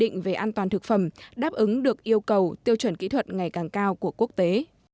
quy định về an toàn thực phẩm đáp ứng được yêu cầu tiêu chuẩn kỹ thuật ngày càng cao của quốc tế